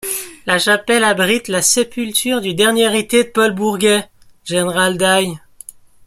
La chapelle abrite la sépulture du dernier héritier de Paul Bourget, le général Daille.